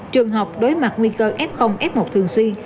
trường học đối mặt nguy cơ f f một thường xuyên